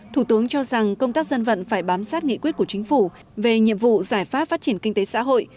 thủ tướng cho rằng công tác dân vận phải bám sát nghị quyết của chính phủ về nhiệm vụ giải pháp phát triển kinh tế xã hội